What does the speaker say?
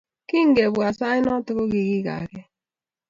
Kingebwaat sait noto, kogigagee